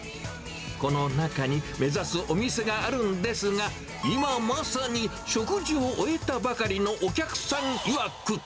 この中に、目指すお店があるんですが、今まさに食事を終えたばかりのお客さんいわく。